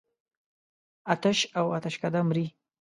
آتش او آتشکده مري.